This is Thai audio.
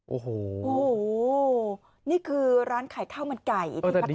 โอ้โหโอ้โหนี่คือร้านขายข้าวมันไก่